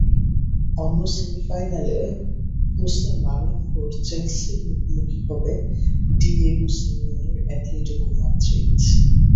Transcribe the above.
অন্য সেমিফাইনালে হোসে মরিনহোর চেলসির মুখোমুখি হবে ডিয়েগো সিমিওনের অ্যাটলেটিকো মাদ্রিদ।